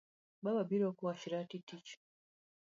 Baba biro koa shirati tich.